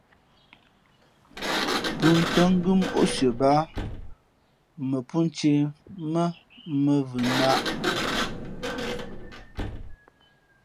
Pʉ̂nkhʉ́ά ngʉ́ móʼ sʉα báá pō mᾱ ncēh mά mᾱvhʉ náh.